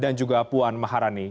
dan juga puan maharani